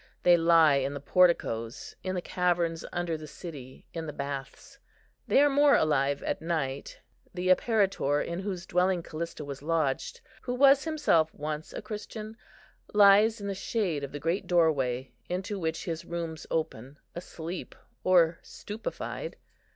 They lie in the porticoes, in the caverns under the city, in the baths. They are more alive at night. The apparitor, in whose dwelling Callista was lodged, who was himself once a Christian, lies in the shade of the great doorway, into which his rooms open, asleep, or stupefied.